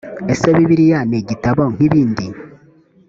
ese bibiliya ni igitabo nk’ibindi‽